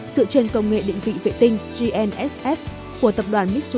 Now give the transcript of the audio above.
dựa trên công nghệ định vị vệ tinh gsi